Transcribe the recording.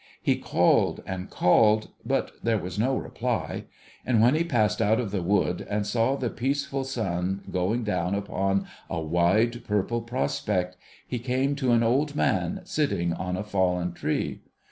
He called and called, but there was no reply, and when he passed out of the wood, and saw the peaceful sun going down upon a wide purple prospect, he came to an old man sitting on a fallen tree.